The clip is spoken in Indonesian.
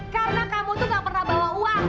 karena kamu tuh gak pernah bawa uang